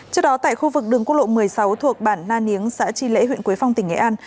trước đó tại khu vực đường quốc lộ một mươi sáu thuộc bản na niếng xã tri lễ huyện quế phong tỉnh nghệ an